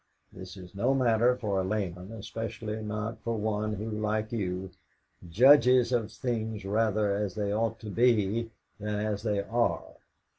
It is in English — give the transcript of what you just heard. This is no matter for a layman, especially not for one who, like you, judges of things rather as they ought to be than as they are.